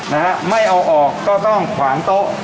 นะฮะไม่เอาออกก็ต้องขวางโต๊ะ